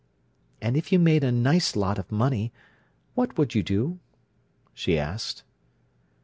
"And if you made a nice lot of money, what would you do?" she asked.